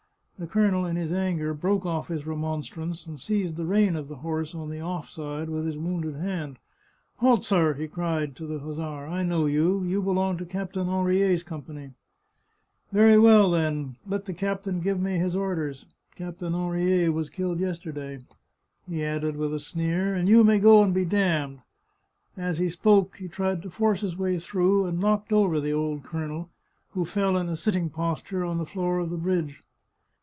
The colonel in his anger broke off his remonstrance, and seized the rein of the horse on the off side with his wounded hand. " Halt, sir !" he cried to the hussar. " I know you. You belong to Captain Henriet's company." " Well, then, let the captain give me his orders ! Captain Henriet was killed yesterday," he added with a sneer, " and 71 The Chartreuse of Parma you may go and be damned !" As he spoke he tried to force his way through, and knocked over the old colonel, who fell in a sitting posture on the floor of the bridge.